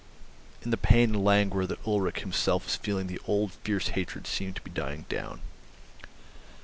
In the pain and languor that Ulrich himself was feeling the old fierce hatred seemed to be dying down.